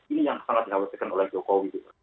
ini yang sangat dikhawatirkan oleh jokowi